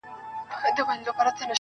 تېره جنازه سوله اوس ورا ته مخامخ يمه.